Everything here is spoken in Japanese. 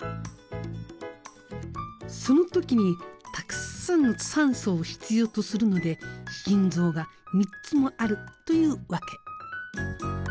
その時にたくさんの酸素を必要とするので心臓が３つもあるというわけ。